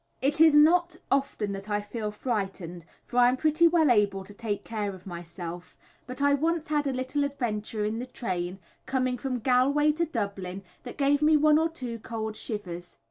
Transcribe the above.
It is not often that I feel frightened, for I am pretty well able to take care of myself, but I once had a little adventure in the train, coming from Galway to Dublin, that gave me one or two cold shivers.